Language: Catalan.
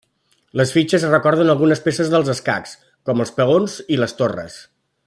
Les fitxes recorden algunes peces dels escacs, com els peons i les torres.